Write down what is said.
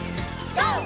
ＧＯ！